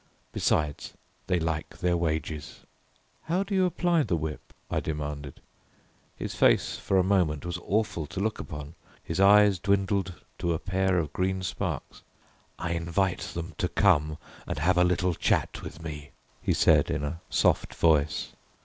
Besides they like their wages." "How do you apply the whip?" I demanded. His face for a moment was awful to look upon. His eyes dwindled to a pair of green sparks. "I invite them to come and have a little chat with me," he said in a soft voice.